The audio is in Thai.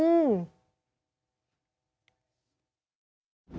อืม